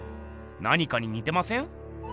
なにかににてません？